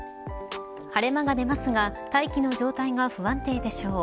晴れ間が出ますが大気の状態が不安定でしょう。